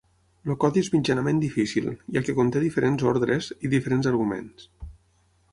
El codi és mitjanament difícil, ja que conté diferents ordres i diferents arguments.